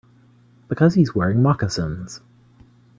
Because he's wearing moccasins.